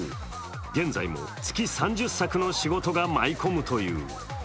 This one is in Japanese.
現在も月３０作の仕事が舞い込むという。